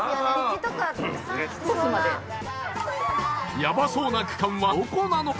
ヤバそうな区間はどこなのか？